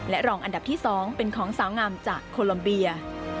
รองอันดับที่๒เป็นของสาวงามจากโคลัมเบีย